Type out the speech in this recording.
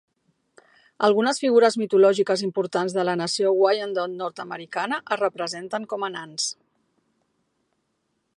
Algunes figures mitològiques importants de la nació Wyandot nord-americana es representen com a nans.